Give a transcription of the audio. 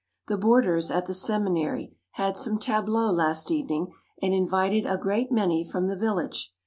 The boarders at the Seminary had some tableaux last evening and invited a great many from the village.